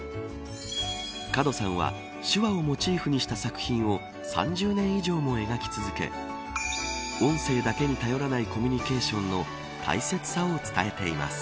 門さんは手話をモチーフにした作品を３０年以上も描き続け音声だけに頼らないコミュニケーションの大切さを伝えています。